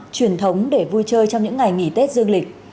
truyền thống để vui chơi trong những ngày nghỉ tết dương lịch